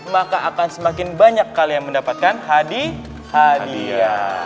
maka akan semakin banyak kalian mendapatkan hadi hadi ya